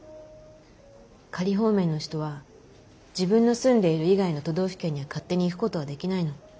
仮放免の人は自分の住んでいる以外の都道府県には勝手に行くことはできないの。